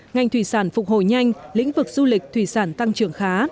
ngành thủy sản phục hồi nhanh lĩnh vực du lịch thủy sản tăng trưởng khá